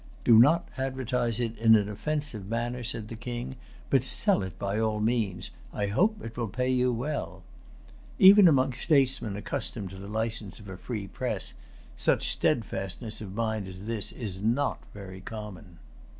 "Do not advertise it in an offensive manner," said the King, "but sell it by all[Pg 276] means. I hope it will pay you well." Even among statesmen accustomed to the license of a free press, such steadfastness of mind as this is not very common.